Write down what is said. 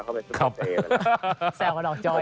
จะให้เขาไปฟุตบอลฟอร์นและเดขอไปเมินแลราร่ะ